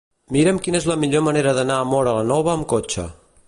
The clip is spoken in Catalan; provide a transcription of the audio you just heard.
Mira'm quina és la millor manera d'anar a Móra la Nova amb cotxe.